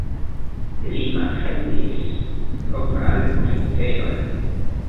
Li malfermis propran oficejon.